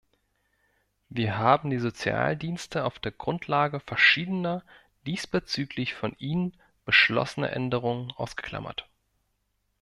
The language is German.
Wir haben die Sozialdienste auf der Grundlage verschiedener diesbezüglich von Ihnen beschlossener Änderungen ausgeklammert.